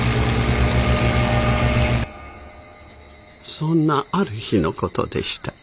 そんなある日の事でした。